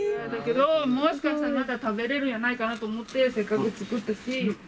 もしかしたらまだ食べれるんやないかなと思ってせっかく作ったし。